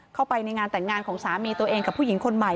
เข้าไปในงานแต่งงานของสามีตัวเองกับผู้หญิงคนใหม่